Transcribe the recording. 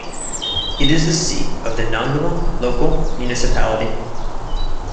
It is the seat of the Nongoma Local Municipality.